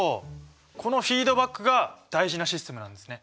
このフィードバックが大事なシステムなんですね。